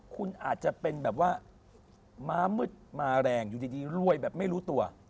คุณอาจจะเป็นแบบว่าม้ามืดมาแรงอยู่ดีรวยแบบไม่รู้ตัว